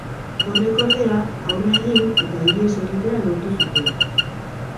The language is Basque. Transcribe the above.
Horrek, ordea, aurre egin, eta ihes egitea lortu zuten.